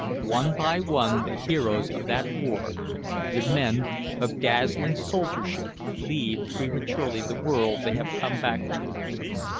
One by one the heroes of that war, the men of dazzling soldiership, leave prematurely the world they have come back to.